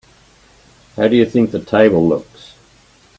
How do you think the table looks?